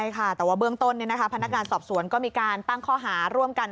ใช่ค่ะแต่ว่าเบื้องต้นพนักงานสอบสวนก็มีการตั้งข้อหาร่วมกัน